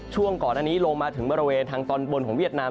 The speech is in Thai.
ช่วงก่อนอันนี้ลงมาถึงบริเวณทางตอนบนของเวียดนาม